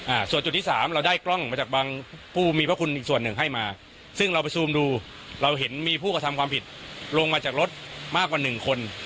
อ่าส่วนจุดที่สามเราได้กล้องมาจากบางผู้มีพระคุณอีกส่วนหนึ่งให้มาซึ่งเราไปซูมดูเราเห็นมีผู้กระทำความผิดลงมาจากรถมากกว่าหนึ่งคน